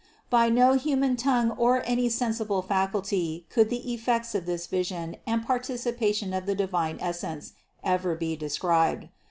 431. By no human tongue or any sensible faculty could the effects of this vision and participation of the divine Essence ever be described.